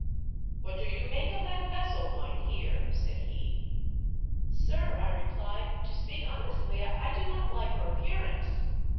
" What do you make of that vessel, mynheer ?" said he. "Sir," I replied, "to speak honestly, I do not like her appearance.